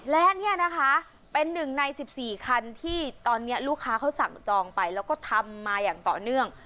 และเนี่ยนะคะเป็นหนึ่งใน๑๔คันที่ตอนนี้ลูกค้าเขาสั่งจองไปแล้วก็ทำมาอย่างต่อเนื่อง